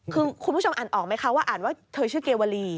คือคุณผู้ชมอ่านออกไหมคะว่าอ่านว่าเธอชื่อเกวลี